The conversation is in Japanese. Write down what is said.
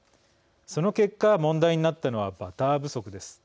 その結果、問題になったのはバター不足です。